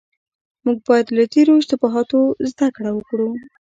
موږ بايد له تېرو اشتباهاتو زده کړه وکړو.